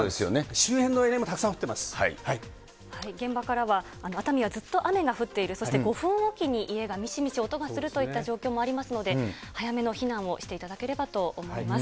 周辺のエリア現場からは、熱海はずっと雨が降っている、そして５分おきに家がみしみし音がするといった状況もありますので、早めの避難をしていただければと思います。